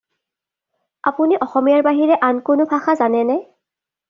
আপুনি অসমীয়াৰ বাহিৰে আন কোনো ভাষা জানেনে?